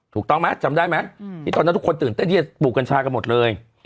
ถูกต้องไหมจำได้ไหมที่ตอนนั้นทุกคนตื่นเต้นที่จะปลูกกัญชากันหมดเลย